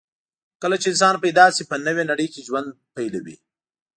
کله چې انسان پیدا شي، په نوې نړۍ کې ژوند پیلوي.